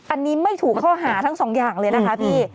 อันนี้ไม่ถูกข้อหาทั้งสองอย่างเลยนะคะพี่